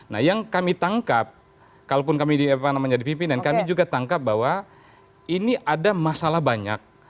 nah yang kami tangkap kalaupun kami di pimpinan kami juga tangkap bahwa ini ada masalah banyak